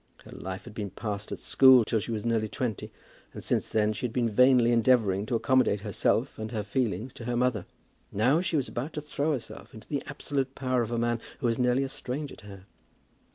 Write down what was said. Her life had been passed at school till she was nearly twenty, and since then she had been vainly endeavouring to accommodate herself and her feelings to her mother. Now she was about to throw herself into the absolute power of a man who was nearly a stranger to her!